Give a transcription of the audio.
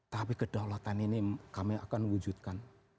tapi kedaulatan ini kami akan wujudkan